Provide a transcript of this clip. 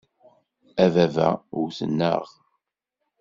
A baba wten-aɣ.